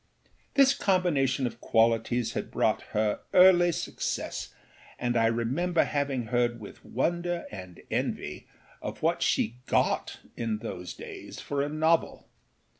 This combination of qualities had brought her early success, and I remember having heard with wonder and envy of what she âgot,â in those days, for a novel.